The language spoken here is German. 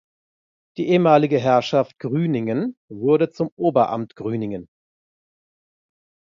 Die ehemalige Herrschaft Grüningen wurde zum Oberamt Grüningen.